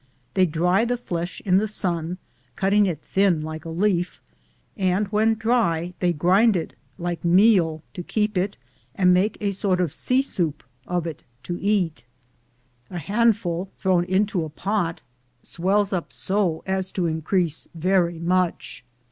They dry the flesh in the sun, cutting it thin like a leaf, and when dry they grind it like meal to keep it and make a sort of sea aoup of it to eat. A handful thrown into a pot swells up so as to increase very much.